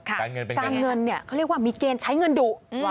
การเงินเนี่ยเขาเรียกว่ามีเกณฑ์ใช้เงินดุ